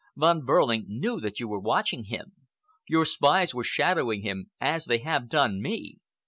Von Behrling knew that you were watching him. Your spies were shadowing him as they have done me.